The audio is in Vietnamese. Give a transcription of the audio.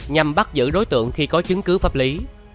nhằm bắt giữ đối tượng khi có chứng cứ pháp lý